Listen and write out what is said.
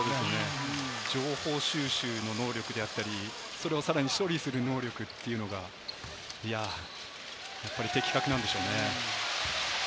情報収集能力であったり、それを処理する能力、やっぱり的確なんでしょうね。